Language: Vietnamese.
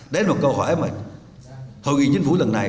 đấy là một câu hỏi mà hội nghị chính phủ lần này